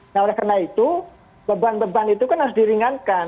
nah oleh karena itu beban beban itu kan harus diringankan